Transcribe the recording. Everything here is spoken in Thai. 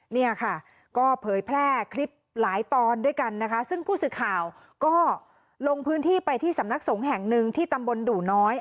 เนี่ยค่ะก็เผยแพร่คลิปหลายตอนด้วยกันนะคะซึ่งผู้สื่อข่าวก็ลงพื้นที่ไปที่สำนักสงฆ์แห่งหนึ่งที่ตำบลดู่น้อย